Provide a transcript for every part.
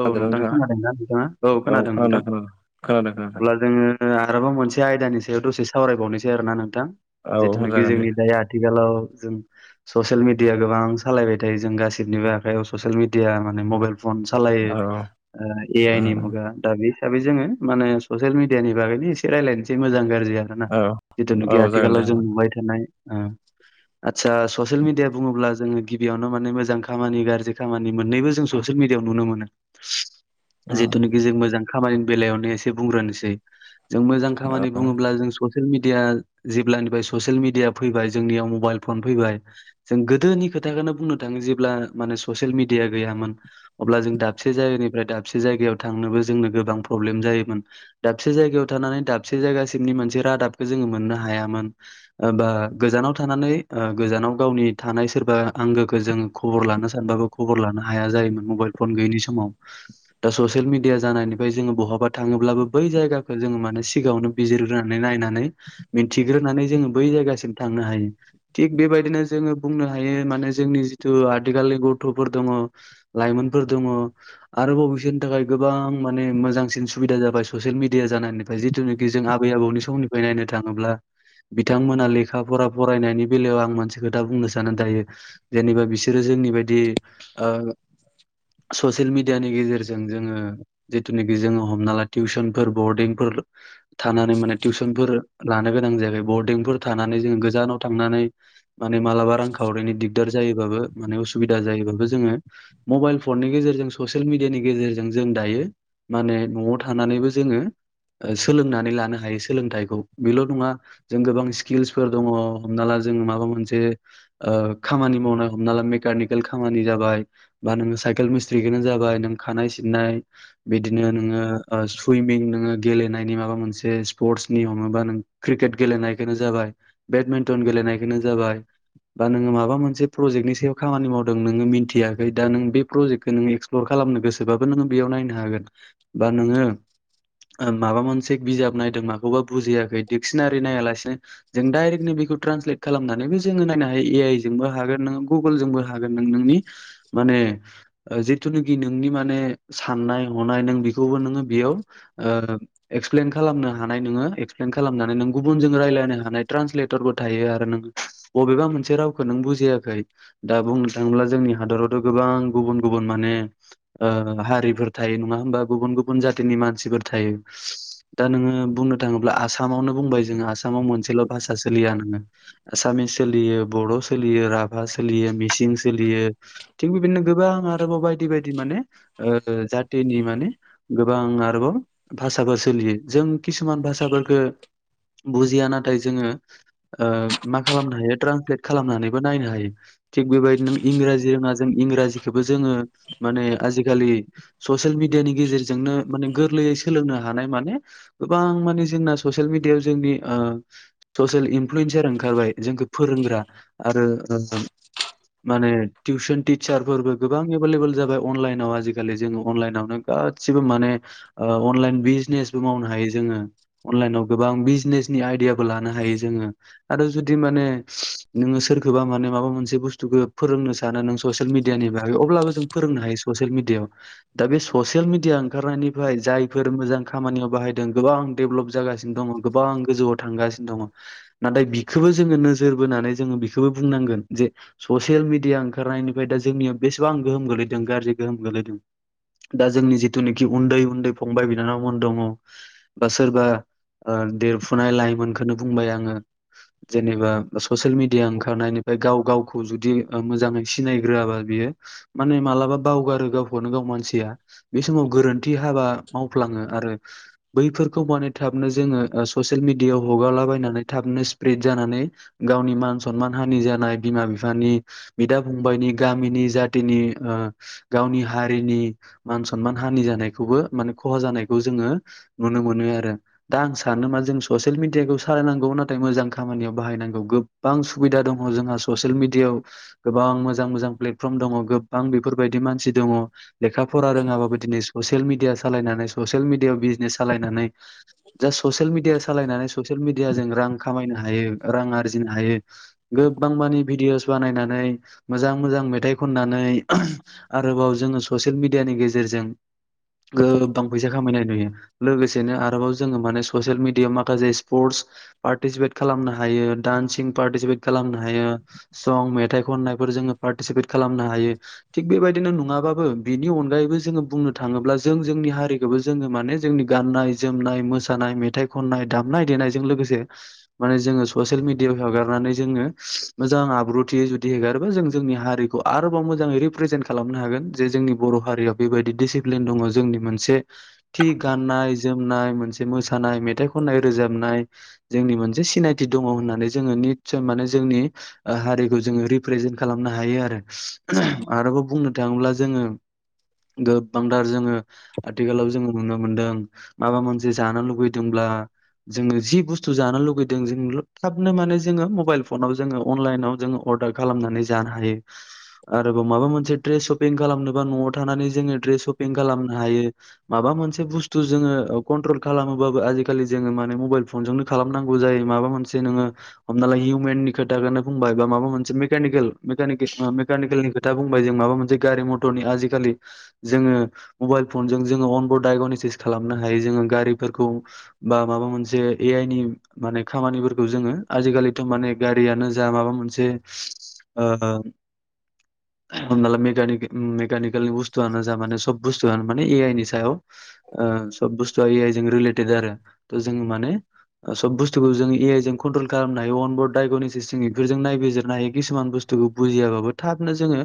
औ नोंथां। नोंथाङा खोनादोंना नोंथाङा औ खोनादों नोंथां। खोनादों खोनादों खोनादों अब्ला जोंङो आरोबाव मोनसे आयदानि सायाव दसे सावरायबावनोसै आरोना नोंथां औ जिथुनाखि जागोन दे जोंनि दायो आथिखालाव जों ससियेल मेडिया गोबां सालायबाय थायो जों गासिबनिबो आखायाव ससियेल मिडिया माने मबाइल फन सालायो औ ओ ए आइ नि मुगा दा बि हिसाबै जोंङो माने ससियेल मेडियानि बागैनो एसे रायलायसै मोजां गाज्रि [unintelligible] औ जिथुखि जागोन दे आथिखालाव जों नुबाय थानाय ओ ओ आदसा ससियेल मेडिया बुंङोब्ला जोंङो गिबियावनो माने मोजां खामानि गाज्रि खामानि मोननैबो जों ससियेल मि डियाव नुनो मोनो औ जितुनाखि जों मोजां खामानिनि बेलायावनो एसे बुंग्रोनोसै। जों मोजां खामानि बुंङोब्ला जों सं सियेल मिडिया जेब्लानिफाय ससियेल मिडिया फैबाय जोंनियाव मबाइल फन फैबाय जों गोदोनि खोथाखौनो बुंनो थांङो जेब्ला माने ससियेल मिडिया गैयामोन अब्ला जों दाबसे जायगानिफ्राय दाबसे जायगायाव थांनोबो जोंनो गोबां प्रब्लेम जायोमोन दाबसे जायगायाव थां नानै दाबसे जायगासिमनि मोनसे रादाबखौ जोंङो मोननो हाया मोन ओ बो गोजानाव थानानै ओ गोजानाव गावनि थानाय सोरबा आंगोखौ जों खबर लानो सानबाबो खबर लानो हाया जायोमोन मबाइल फन गैयिनि समाव दा ससियेल मिडिया जानायनिफ्राय जोंङो बहाबा थाङोब्लाबो बै जायगाखौ जोङो मान ने सिगाङावनो बिजिरग्रोनानै नायनानै मिनथिग्रोनानै जोंङो बै जायगासिम थांनो हायो थिख बेबायदिनो जोंङो बुंनो हायो माने जोंनि जिथु आथिखालनि गथफोर दंङ लाइमोन फोर दंङ आरोबाव बिसोरनि थाखाय गोबां माने मोजांसिन सुबिदा जाबाय ससियेल मिडिया जानायनिफाय जिथुनाखि जों आबै आबौनि समनिफ्राय नायनो थांङोब्ला बिथांमोना लेखा फरा फरायनायनि बेलायाव आं मोनसे खोथा बुंनो साननानै थायो जेनेबा बिसोरो जोंनि बायदि ओ ससियेल मिडियानि गेजेरजों जोंङो जिथुनाखि जोङो हमना ला टिउसनफोर बरडिंफोर थानानै माने टिउसनफोर लानो गोनां जायाखै बरडिंफोर थानानै जोंङो गोजानाव थांनानै माने मालाबा रांखावरिनि दिगदार जायोबाबो माने असुबिदा जायोबाबो जोङो मबाइल फननि गेजेरजों ससियेल मिडियानि गेजेरजों जों दायो माने न'आव थानानैबो जोंङो ओ सोलोंनानै लानो हायो सोलोंथाइखौ बेल नङा जों गोबां स्किल्सफोर दंङ हमना ला जोंङो माबा मोनसे ओ‌ खामानि मावनाय हमना ला मेकानिकेल खामानि जाबाय बा नोंङो साय खेल मिसट्रिखौनो जाबाय नों खानाय सिननाय बिदिनो नोङो बा सुइमिं नोंङो गेलेना नायनि माबा मोनसे स्पिर्टसनि हमोबा नों क्रिकेट गेलेनायखौनो जाबाय बेदमिन्टन गेलेनायखौ नो जाबाय बा नोङो माबा मोनसे प्रजेक्टनि सायाव खामानि मावदों नोङो मिनथियाखै दा नों बे प्रजेक्टखौ नोङो एक्सप्लर खालामनो गोसोबाबो नोङो बेयाव नायनो हागोन बा नोङो ओ माबा मोनसे बिजाब नायदों माखौबा बुजियाखै दिक्सनारि नायालासिनो जों डायरेक्टनो बेखौ ट्रान्सलेट खालामनानैनो जोङो नायनो हायो ए आइ जोंबो हागोन नोङो गुगोलजोंबो हागोन नों नोंनि माने ओ जिथुनाखि नोंनि माने साननाय हनाय नों बेखौबो नोङो बेयाव ओ एक्सप्लेन खालामनो हानाय नोङो एक्सप्लेन खालामनानै नों गुबुनजों लायरायनो हानाय ट्रान्सलेटरबो थायो आरो नों बबेबा मोनसे रावखौ नों बुजियाखै दा बुंनो थाङोब्ला जोंनि हादरावथ' गोबां गुबुन गुबुन माने ओ हारिफोर थायो नङा होमबा गुबुन गुबुन जातिनि मानसिफोर थायो। दा नोङो बुंनो थाङोब्ला आसामावनो बुंबाय जोङो आसामाव मोनसेल' भाषा सोलिया नोङो। आसामिस सोलियो बर' सोलियो राभा सोलियो मिसिं सोलियो थिग बेबादिनो गोबां आरोबाव बायदि बायदि माने ओ जाथिनि माने गोबां आरोबाव भा भाषाबो सोलियो जों किसुमान भाषाफोरखो बुजिया नाथाय जोङो ओ मा खालामनो हायो ट्रान्सलेट खालामनानैबो नायनो हायो। थिग बेबायदिनो इंराजि रोङा जों इंराजि खौबो जोङो माने आजिखालि ससियेल मिडियानि गेजेरजोंनो माने गोरलैयै सोलोंनो हानाय माने गोबां माने जोंना ससियेल मिडियाव जोंनि ओ ससियेल इनफ्लुयेन्सार ओं खारबाय जोंखौ फोरोंग्रा आरो ओ ओ माने टिउसन टिचार फोरबो गोबां एभेलेबोल जाबाय अनलाइनाव आजिखालि जोङो अनलाइनावनो गासिबो माने ओ अनलाइन बि बिजनेसबो मावनो हायो जोङो अनलाइनाव गोबां बिजनेसनि आइदियाबो लानोहायो जोङो आरो जो दि माने नोङो सोरखोबा माने माबा मोनसे बुस्टुखो फोरोंनो सानो नों ससेल मिदियानिबा हायो अब्लाबो जों फोरोंनो हायो ससियेल मिडियाआव दा बे ससियेल मिडिया ओंखारनायनिफ्राय जायफोर मोजां खामानियाव बाहायदों गोबां देभेलप जागासिनो दङ गोबां गोजौआव थांगासिनो दङ नाथाय बिखो बो जोङो नोजोर बोनानै जोङो बेखोबो बुंनांगोन जे ससियेल मिडिया ओंखारनायनिफ्राय दा जोंनियाव बेसेबां गोहोम गोलैदों गाज्रि गोहोम गोलैदों दा जोंनि जितूनोखि उन्दै उन्दै फंबाय बिनानावमोन दङ बा सोरबा ओ देरफुनाय लाइमोनखोनो बुंबाय आङो जेनेबा ससियेल मिडिया ओंखारनायनिफ्राय गाव गावखौ जुदि ओ मोजाङै सिनायग्रोआबा बियो माने मालाबा बावगारो गावखौनो गाव मानसिया बे समाव गोरोन्थि हाबा मावफ्लाङो आ रो बैफोरखौ माने थाबनो जोङो ओ ससियेल मिडियाआव हगारलाबायनानै थाबनो स्प्रेड जा नानै गावनि मान सनमान हानि जानाय बिमा बिफानि बिदा फंबायनि गामिनि जा खिनि ओ गावनि हारिनि मान सनमान हानि जानायखौबो माने खहा जानायखौ जो ङो नुनो मोनो आरो दा आं सानोमा जों ससियेल मिदियाखौ सालायनांगौ नाथाइ मोजां खामानियाव बाहायनांगौ गोबबां सुबिदा दङ जोंहा ससियेल मिडियाव गोबां मोजां मोजां प्लेटफर्म दङ गोबबां बेफोरबायदि मानसि दङ लेखा फरा रोङाबाबो दिनै स सेल मिदिया सालायनानै ससियेल मिडिया बिजनेस सालायनानै जास ससियेल मिडिया सालायनानै ससियेल मिडिया जों रां खामायनो हायो रां आरजिनो हायो गोबां मानि भिडिअस बानायनानै नै मोजां मोजां मेथाइ खन नानै आरोबाव जोङो ससियेल मिडियानि गेजेरजों गोबां फैसा खामायनाय नुयो लोगोसेनो आरोबाव जोङो माने ससियेल मिडियाआव माखासे स्पर्टस पारटेसिपेट खालामनो हायो दानसिं पारटेसिपेट खालामनो हायो सं मेथाइ खननाय फोर जोङो पारटेसिपेट खालामनो हायो थिग बेबायदिनो नङाबाबो बिनि अनगायैबो जोङो बुंनो थाङोब्ला जों जोंनि हारिखौ बो जोङो माने जोंनि गानायनाय जोमनाय मोसानाय मेथाइ खननाय दनाय देनायजों लोगोसे जोंङो ससियेल मिडियाआव हगारनानै जोंङो मोजां आब्रुथियै जुदि हेगारोबा जों जोंनि हारिखौ आरोबाव मोजांङै रिप्रेजेन्ट खालामनो हागोन जे जोंनि बर' हारियाव बेबायदि डिसिप्लिन दंङ जोंनि मोनसे खि गाननाय जोमनाय मोनसे मोसानाय, मेथाइ खननाय रोजाबनाय जोंनि मोनसे सिनायथि दंङ होननानै जोंङो निस्सय माने जोंनि ओ हारिखौ जोंङो रिप्रेजेन्ट खालाम नो हायो आरो आरोबाव बुंनो थांङोब्ला जोंङो गोबांथार जोङो आथिखालाव जोंङो नुनो मोनदों माबा मोनसे जानो लुुबैदोंब्ला जोंङो जि बुस्थु जानो लुगैदों जोंल थाबनो माने जोंङो मबाइल फनाव जोंङो अनलाइनाव जोंङो अर्दार खालामनानै जानो हायो। आरोबाव माबा मोनसे ड्रेस स'पिं खालामनोबा न'आव थानानै जोंङो ड्रेस स'पिं खालामनो हायो माबा मोनसे बुस्तु जोंङो ओ कनत्रल खालामो बाबो आजि-खालि जोङो माने मबाइ फनजोंनो खालाम नांगौ जायो, माबा मो जे नोंङो हमनाला हिउमेनि खोथाखोनो बुंबाय बा माबा मोनसे मेकानिकेल मेकानि ओ मेकानिकेलनि खोथा बुंबाय जे माबा मोनसे गारि मथरनि आजि-खालि जोंङो म'बाइल फनजों जोंङो अनबर डायगनसिस खालामनो हायो जोंङो गारिफोरखौ बा माबा मोनसे ए आइ नि माने खामानिफोरखौ जोंङो आजि-खालिथ' माने गारियानो जा माबा मोनसे ओ हमनाला मेका-मेकानिकेल नि बुस्थुआनो जा माने सब बुस्थुआनो माने ए आइ नि सायाव ओ सब बुस्थुआ ए आइ जों रिलेटेद आरो जों माने सब बुस्थुखौ जों ए आइ जों कन्ट्रल खालामनो हायो अनबरडग'निसिस जों बेफोरजों नायबिजिरनो हायो किसमान बुस्थुखौ बुजियाबाबो थाबनो जोंङो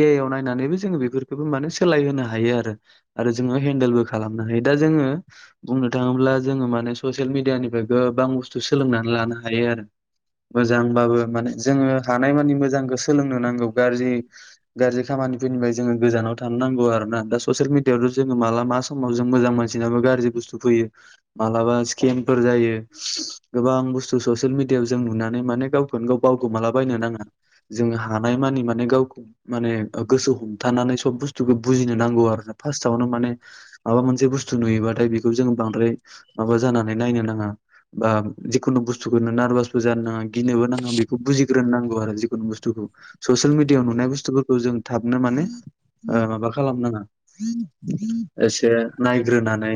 ए आइ आव नायनानैबो जोंङो बेफोरखौबो माने सोलाय होनो हायो आरो आरो जोंङो हेन्देलबो खालामनो हायो दा जोंङो बुंनो थांङोब्ला जोंङो माने चस्येल मेरियानि फ्राय गोहोम गोबां बुस्थु सोलोंनानै लानो हायो आरो मोजांबाबो माने जोंङो हानाय मानि मोजां गोसो सोलोंनांगौ गारजि-गारजि खामानिफोरनिफ्राय जोंङो गोजानाव थानो नांगौ आरोना दा ससियेल मिडियावनो जोंङो माला मा स'माव जोंङो मोजां मानसि नंङाबा गारजि बुस्तु फैयो मालाबा स्केम फोर जायो गोबां बुस्तु ससियेल मिडि उन्दैयाव जों नुनानै माने गावखौनो गाव बावगोमालाबानो नांङा, जोंङो हानाय मानि माने गावखौ माने गोसो हमथानानै सब बुस्थुखौ बुजि जोंनो नांगौ आरो फार्सआवनो माने माबा मो से बुस्थु नुयोबाथाय बेखौ जों बांद्राय माबा जानानै नायनो नाङा बा जिखुनु बुस्थुखौ नारभासबो जानो नाङा गिनोबो नाङा बेखौ बुजिग्रोनोनांगौ आरो जिखुनु बुस थुखौ ससियेल मिडियाआव नुनाय बुस्थुफोरखौ जों थाबनो माने ओ माबा खालामनाङा [unintelligible] एसे नायग्रोनानै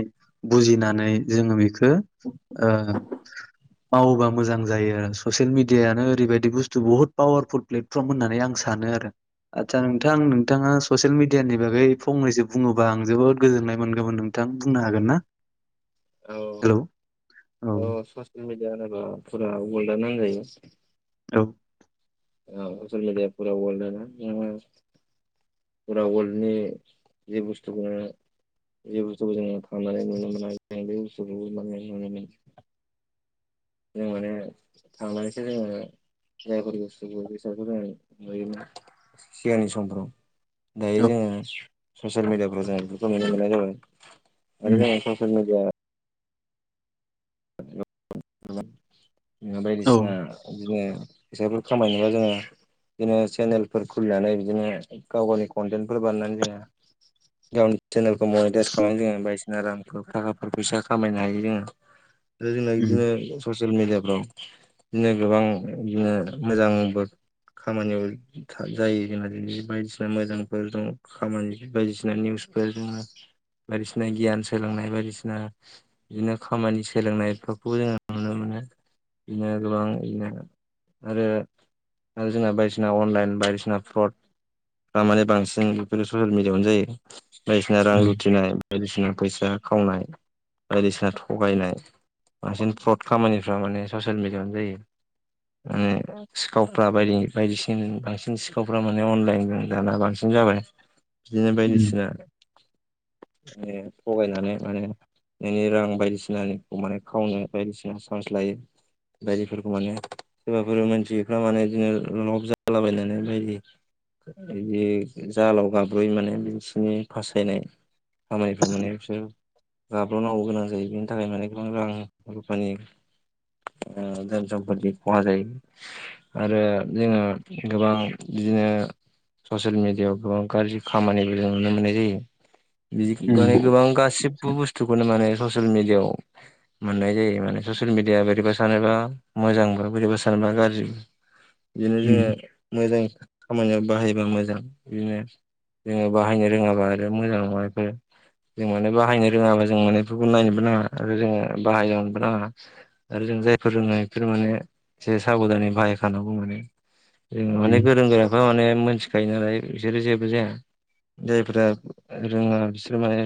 बुजिनानै जोङो बेखो ओ मावोबा मोजां जायो ससियेल मिडियानो ओरैबायदि बुस्थु बुहुत पावारफुल प्लेटफर्म होननानै आं सानो आरो आदसा नोंथां नोंथाङा ससियेल मिडियानि बागै फंनैसो बुङोबा आं जोबोद गोजोननाय मोनगौमोन नोंथां बुंनो हागोन ना। औ हेलौ औ [unintelligible] जानोबा फुरा वाल्डानो होनजायो औ औ जोंनि [unintelligible] पुरा वल्डनि जि बुस्थुखो जि बुस्थुखो जोङो थांनानै नुनो मोना [unintelligible] जों माने थांनानैसो जोङो जायफोर बुस्थुफोरखौ [unintelligible] जों नुयोमोन सिगांनि समफोराव दायो औ जोङो ससियेल मिडियाफ्राव जों बेफोरखौ नुनो मोननाय जाबाय। आरो उम जों [unintelligible] ससियेल मिडिया [unintelligible] औ बायदिसिना इदिनो फैसाफोर खामायनोबा जोङो दिनो चेनेलफोर खुलिनानै बिदिनो गाव गावनि कन्टेन्टफोर बानायनानै जोङो गावनि सेनेलखौ मनिटाइस खालामना जोङो बायदिसिना रांफोर थाखाफोर फैसा खामायनो हायो जोङो। जोंना उम बिदिनो ससियेल मेडियाफ्राव बिदिनो गोबां इदिनो मोजांबो खामानियाव खा जायो जोंना बिदिनो बायदिसिना मोजांफोर दङ' खामानि बायदिसिना निउस फ्राय जोङो बायदिसिना गियान सोलोंनाय बायदिसिना बिदिनो खामानि सोलोंनाय खौ जोङो नुनो मोनो बिदिनो गोबां [unintelligible] आरो आरो जोंना बायदिसिना अनलाइन बायदिसिना फ्रड दामाने बांसिन बेफोरो ससियेल मिडियावनो जायो। बायदिसिना रां उम लुथिनाय बायदिसिना फैसा खावनाय बायदिसिना थगायनाय बांसिन फ्रड खामानिफ्रा माने ससियेल मिडियावनो जायो। [unintelligible] सिखावफ्रा बायदि-बायदिसिन बांसिन सिखावफ्रा माने अनलाइनजों दाना बांसिन दिनो जाबाय बिदिनो उम बायदिसिना [unintelligible] थगायनानै माने नोंनि रां बायदिसिनानिखौ माने खावनो बायदिसिना चान्स लायो बायदिफोरखौ माने सोरबाफोर मानथियैफ्रा माने इदिनो लब जालाबायनानै बायदि इदि जालाव गाब्रयो माने बिसिनि फासायनाय खामानिफ्रा माने बिसोर गाब्र'नांगौ गोनां जायो बिनि थाखाय माने गोबां रां रूफानि ओ धोन सम्पथि खहा जायो आरो जोङो गोबां बि दिनो ससियेल मिडियाव गोबां गाज्रि खामानिबो जों नुनो मोननाय जायो। बिदि माने उम गोबां गासिबबो बुस्थुखौनो माने ससियेल मेडियाव मोननाय जायो माने ससियेल मिडिया बोरैबा सानोबा मोजांबो बोरैबा सानोबा गाज्रिबो इदिनो जोङो उम मोजां खामानियाव बाहायबा मोजां इदिनो जोङो बाहायनो रोङाबा आरो मोजां नङा इफोर जों माने बाहायनो रोङाबा जों माने इफोरखौ नायनोबो नाङा आरो जोङो ओ बाहायदावनोबो नाङा आरो जों जायफोर रोङो इफोर माने से साबधानै बाहायखानांगौ माने [inaudible] जों माने गोरों गोराफ्रा माने मोनथिखायो नालाय इसोरो जेबो जाया। जायफ्रा रोङा बिसोर माने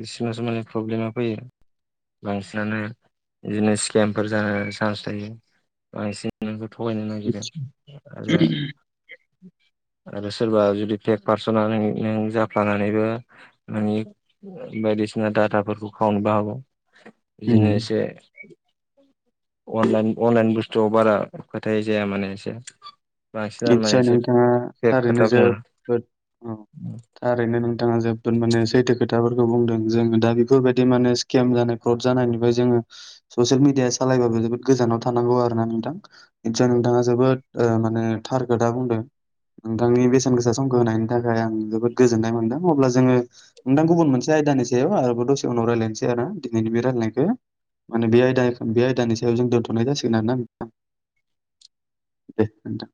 बिसोरनासो माने फ्रब्लेमा फैयो [inaudible] बांसिनानो इदिनो स्केमफोर जानो चान्स थायो बांसिन [unintelligible] थगायनो नागिरो आतसा। आरो आरो सोरबा जुदि पेक पारसना नों- नों जाफ्लानानैबो नोंनि बायदि दिसिना डाटाफोरखौ खावनोबो हागौ इदिनो उम एसे अनलाइन-अनलाइन बुस्थुआव बारा फोथाय जाया माने एसे बांसिन आरो माने नितसय एसे नोंथाङा फेक थारैनो खोथा बुङो। जोबोद औ थारैनो नोंथाङा जोबोद माने सैथो खोथ थाफोरखौ बुंदों जों दा बेफोरबायदि माने स्केम जानाय फ्रद जानायनिबो जोङो ससियेल मिडिया सालाय [unintelligible] जोबोद गोजानाव थानांगौ आरो ना नोंथां [unintelligible] नोंथाङा जोबोद ओ माने थार खोथा बुंदों नोंथांनि बेसेन गोसा समखौ होनायनि थाखाय आं जोबोद गोजोन्नाय मोनदों अब्ला जोङो नोंथां गुबुन मोनसे आयदानि सायाव आरोबाव दसे उनाव रायज्लायनोसै आरो दिनैनि बे रायलायनायखौ माने बे आयदानि बे आयदानि सायाव जों दोन्थ'नाय जासिगोन आरोना नोंथां दे नोंथा